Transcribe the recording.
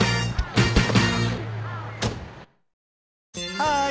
ハーイ！